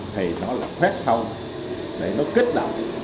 thì nó là khuét sâu để nó kích động